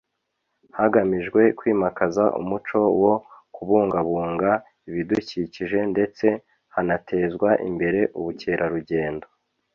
hagamijwe kwimakaza umuco wo kubungabunga ibidukikije ndetse hanatezwa imbere ubukerarugendo